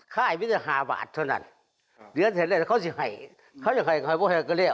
ข้าคลุ้ม๕บาทเรียกแล้วจะให้ไม่ใหกกันมาเป็นไร